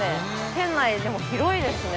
店内広いですね。